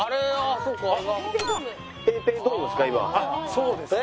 そうですね。